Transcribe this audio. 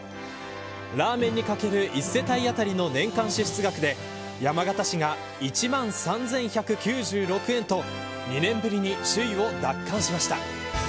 ラーメンにかける１世帯当たりの年間支出額で山形市が１万３１９６円と２年ぶりに首位を奪還しました。